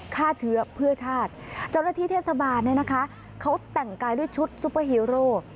ฆ่าเชื้อเพื่อชาติเจ้าหน้าที่เทศบาลเนี่ยนะคะเขาแต่งกายด้วยชุดซุปเปอร์ฮีโร่